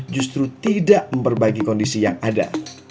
justru tidak memperbaiki kondisi yang ada